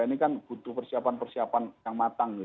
ini kan butuh persiapan persiapan yang matang